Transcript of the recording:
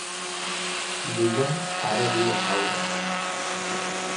Diuen que ara viu a Faura.